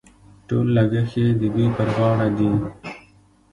ټول لګښت یې د دوی پر غاړه دي.